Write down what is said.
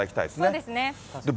そうですね。